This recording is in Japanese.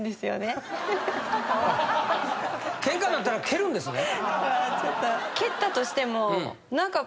ケンカになったら蹴るんですね。